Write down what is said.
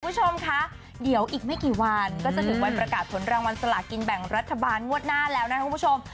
คุณผู้ชมคะเดี๋ยวอีกไม่กี่วันก็จะถึงวันประกาศผลรางวัลสลากินแบ่งรัฐบาลงวดหน้าแล้วนะคุณผู้ชม